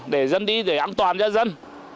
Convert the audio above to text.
để dân đi để an toàn cho dân